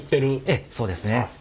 ええそうですね。